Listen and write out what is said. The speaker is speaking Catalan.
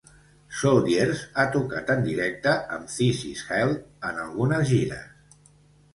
Soldiers ha tocat en directe amb This Is Hell en algunes gires.